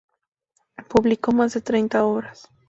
Publicó más de treinta obras.